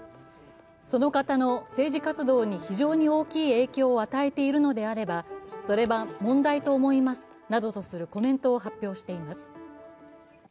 その方の政治活動に非常に大きい影響を与えているのであればそれは問題と思います、などとするコメントを発表しています。